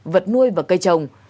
vật nuôi và cây trồng